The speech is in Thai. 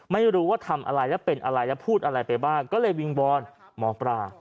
ไม่รู้ว่าทำอะไรแล้วเป็นอะไรแล้วพูดอะไรไปบ้างก็เลยวิงวอนหมอปลา